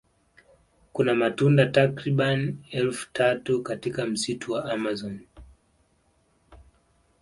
Kuna matunda takribani elfu tatu katika msitu wa amazon